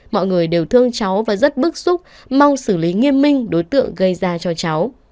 mọi người đều thương cháu và rất bức xúc mong xử lý nghiêm minh đối tượng gây ra cho cháu